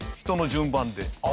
人の順番で。